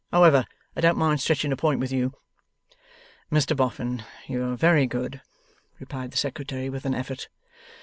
However, I don't mind stretching a point with you.' 'Mr Boffin, you are very good,' replied the Secretary, with an effort.